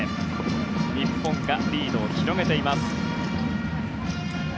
日本がリードを広げています。